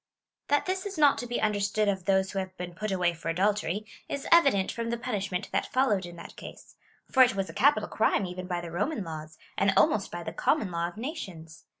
That this is not to be understood of those who have been put away for adultery, is evident from the punishment that followed in that case ; for it was a capital crime even by the Roman laws, and almost by the common law of nations.